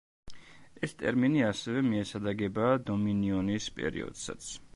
ეს ტერმინი ასევე მიესადაგება დომინიონის პერიოდსაც.